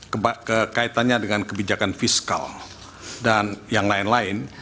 kekaitannya dengan kebijakan fiskal dan yang lain lain